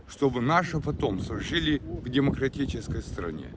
supaya kita kemudian bisa hidup di negara demokratis